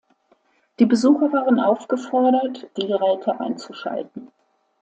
Die Besucher waren aufgefordert, die Geräte einzuschalten.